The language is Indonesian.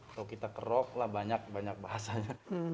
atau kita kerok lah banyak banyak bahasanya